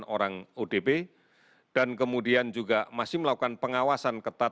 satu ratus tiga puluh sembilan orang odp dan kemudian juga masih melakukan pengawasan ketat